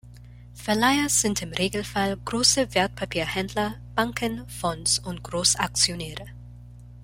Verleiher sind im Regelfall große Wertpapier-Händler, Banken, Fonds und Großaktionäre.